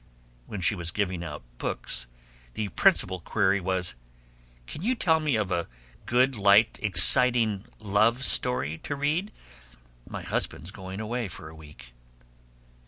When she was giving out books the principal query was, "Can you tell me of a good, light, exciting love story to read? My husband's going away for a week."